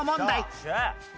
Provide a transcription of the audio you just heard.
よっしゃ！